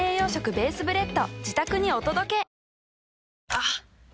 あっ！